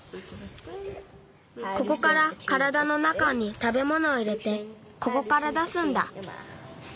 ここからからだの中にたべものを入れてここから出すんだ。